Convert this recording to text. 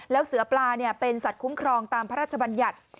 แล้วเสือปลาเป็นสัตว์คุ้มครองตามพระราชบัญญัติ